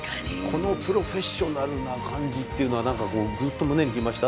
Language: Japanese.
このプロフェッショナルな感じというのは何かぐっと胸に来ました。